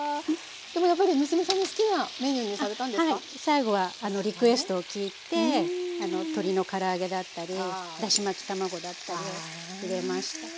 最後はリクエストを聞いて鶏のから揚げだったりだし巻き卵だったりを入れました。